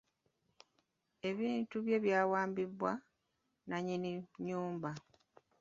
Ebintu bye byawambibwa nnannyini nnyumba.